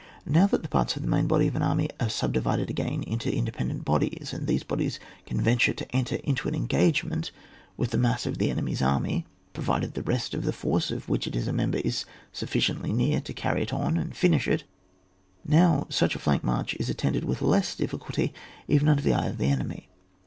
Now that the parts of the main body of an army are subdivided again into independent bodies, and those bodies can venture to enter into an engagement with the mass • [book^vi. of the enemy's army, provided the rest of the force of which it is a member is sufficiently near to carry it on add flnish it, — now such a flank march is attended with less difficulty even under the eye of the enemy.